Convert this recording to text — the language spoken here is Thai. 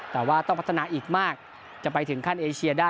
แต่ว่าต้องพัฒนาอีกมากจะไปถึงขั้นเอเชียได้